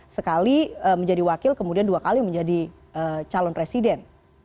sekali menjadi wakil kemudian dua kali menjadi calon presiden